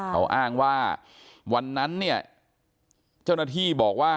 เขาอ้างว่าวันนั้นเนี่ยเจ้าหน้าที่บอกว่า